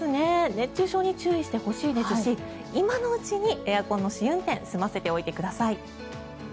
熱中症に注意してほしいですし今のうちにエアコンの試運転を済ませておいてください。